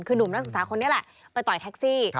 คือหนุ่มนักศึกษาคนนี้แหละไปต่อยแท็กซี่